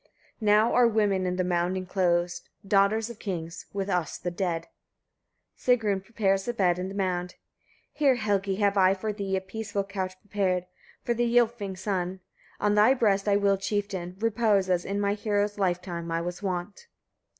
Now are women in the mound enclosed, daughters of kings, with us the dead. Sigrun prepares a bed in the mound. 35. Here, Helgi! have I for thee a peaceful couch prepared, for the Ylfings' son. On thy breast I will, chieftain! repose, as in my hero's lifetime I was wont.